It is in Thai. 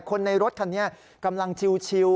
คนในรถคันนี้กำลังชิว